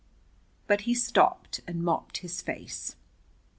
But he stopped and mopped his face.